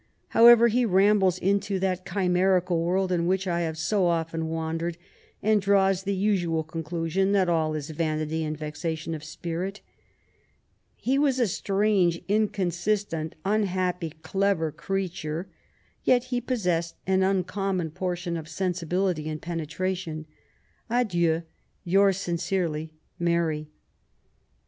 However, he rambles into that chimerical world in which I have too often wandered, and draws the usual conclusion that all is yanity and yexation of spirit. He was a strange, inconsistent, un happy, clever creature, yet he possessed an xmcommon portion of sensibility and penetration. ... Adieu, yours sincerely, Mabt.